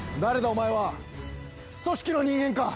お前は組織の人間か？